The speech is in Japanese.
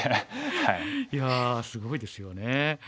いやすごいですよね。